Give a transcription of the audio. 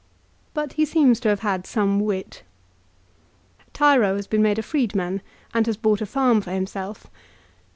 But he seems to have had some wit. Tiro has been made a freedman, and has bought a farm for himself.